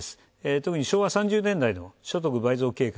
特に、昭和３０年代の所得倍増計画。